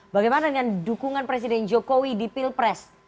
bagaimana dengan dukungan presiden jokowi di pilpres